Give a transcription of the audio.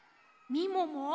みもも